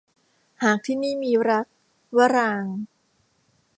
หากที่นี่มีรัก - วรางค์